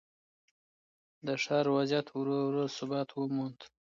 د ښار وضعیت ورو ورو ثبات وموند.